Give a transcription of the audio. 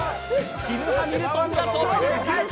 キム・ハミルトンがトップ。